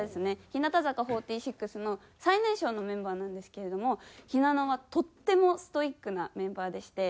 日向坂４６の最年少のメンバーなんですけれどもひなのはとってもストイックなメンバーでして。